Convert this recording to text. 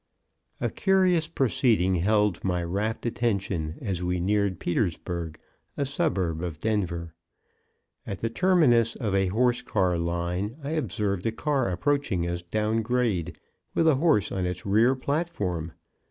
_ A curious proceeding held my rapt attention as we neared Petersburg, a suburb of Denver. At the terminus of a horse car line I observed a car approaching us down grade, with a horse on its rear platform.